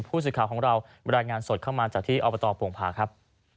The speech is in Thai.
พูดสิทธิ์ข่าวของเราเวลารายงานสดเข้ามาจากที่อบตปวงภาครับ